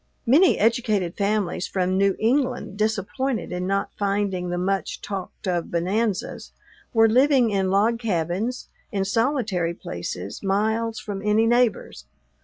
Many educated families from New England, disappointed in not finding the much talked of bonanzas, were living in log cabins, in solitary places, miles from any neighbors.